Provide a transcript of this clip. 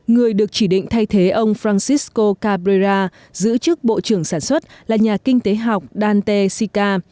người được chỉ định thay thế ông francisco cabrera giữ chức bộ trưởng sản xuất là nhà kinh tế học dante sica